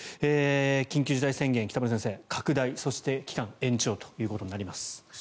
緊急事態宣言、北村先生拡大、そして期間延長となります。